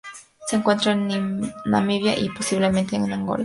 Se encuentra en Namibia y, posiblemente en Angola, Botsuana y Zambia.